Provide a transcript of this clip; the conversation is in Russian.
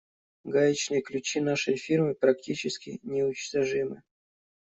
Гаечные ключи нашей фирмы практически неуничтожимы.